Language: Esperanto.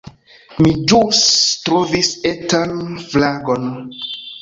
Mi ĵus trovis etan fragon